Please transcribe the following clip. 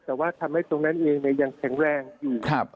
แต่ว่าทำให้ตรงนั้นเองยังแข็งแรงอยู่